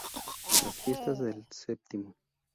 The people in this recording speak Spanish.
Las fiestas del Stmo.